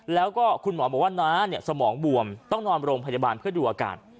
แล้วก็คุณหมอบอกว่าน้าเนี่ยสมองบวมต้องนอนโรงพยาบาลเพื่อดูอาการ